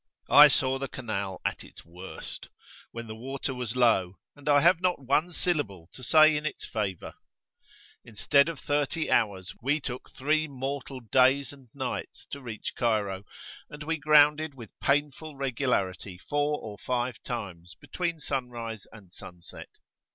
I saw the canal at its worst, when the water was low; and I have not one syllable to say in its favour. Instead of thirty hours, we took three mortal days and nights to reach Cairo, and we grounded with painful regularity four or five times between sunrise and sunset.